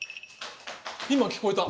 今聞こえた。